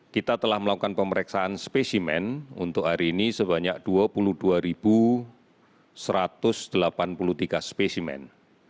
kita telah melakukan pemeriksaan spesimen untuk hari ini sebanyak dua puluh dua satu ratus delapan puluh tiga spesimen